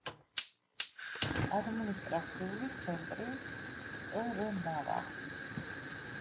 ადმინისტრაციული ცენტრი ტრნავა.